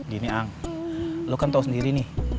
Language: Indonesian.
gini ang lu kan tau sendiri nih